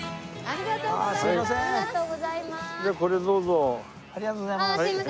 ありがとうございます。